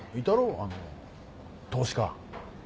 あの投資家。